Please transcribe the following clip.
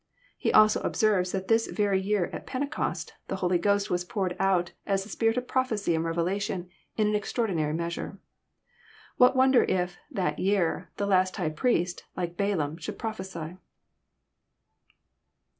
He also observes that this very year at Pentecost, the Holy Ghost was poured out as the spirit of prophecy and revelation in an extraordinary measure. What wonder if '< that year " the last high priest, like Balaam, should prophesy.